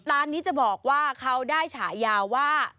ร้านนี้จะบอกว่าเขาได้ฉายาว่า